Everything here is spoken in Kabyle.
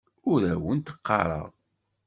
Ur awent-d-ɣɣareɣ.